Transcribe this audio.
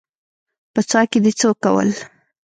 _په څاه کې دې څه کول؟